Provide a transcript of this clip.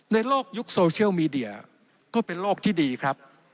โลกยุคโซเชียลมีเดียก็เป็นโลกที่ดีครับ